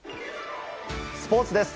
スポーツです。